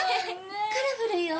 カラフルよ。